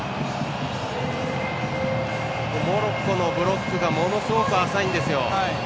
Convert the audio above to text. モロッコのブロックがものすごく浅いんですよ。